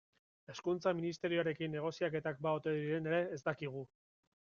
Hezkuntza Ministerioarekin negoziaketak ba ote diren ere ez dakigu.